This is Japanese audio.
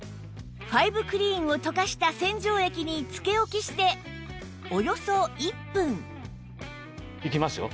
ファイブクリーンを溶かした洗浄液につけ置きしておよそ１分いきますよ。